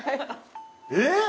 えっ？